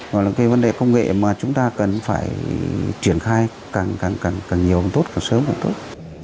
và là cái vấn đề công nghệ mà chúng ta cần phải triển khai càng nhiều càng tốt càng sớm càng tốt